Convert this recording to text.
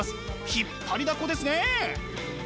引っ張りだこですねえ！